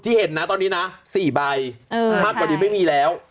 เห็นนะตอนนี้นะ๔ใบมากกว่านี้ไม่มีแล้ว